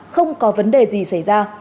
không có vấn đề gì xảy ra